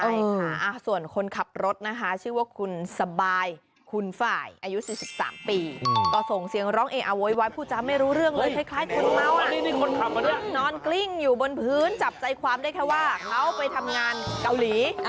ใช่ค่ะส่วนคนขับรถนะคะชื่อว่าคุณสบายคุณฝ่ายอายุ๔๓ปีก็ส่งเสียงร้องเออโวยวายผู้จำไม่รู้เรื่องเลยคล้ายคนเมานอนกลิ้งอยู่บนพื้นจับใจความได้แค่ว่าเขาไปทำงานเกาหลี